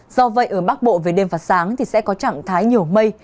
do vậy ở bắc bộ về đêm và sáng thì sẽ có trạng thái nhiều mây